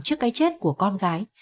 trước cái chết của con gái